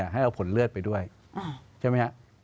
ให้เอาผลเลือดไปด้วยใช่ไหมฮะ